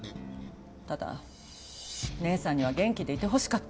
ただ姉さんには元気でいてほしかった。